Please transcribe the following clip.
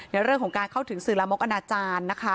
ในเรื่องของการเข้าถึงสื่อลามกอนาจารย์นะคะ